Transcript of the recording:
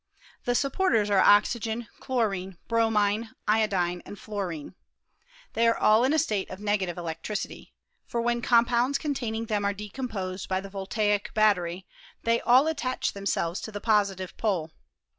The supporters are oxygen, chlorine, bromine, iodine, and fluorine. They are all in a state of ne gative electricity : for when compounds containing them are decomposed by the voltaic battery they all attach themselves to the positive pole.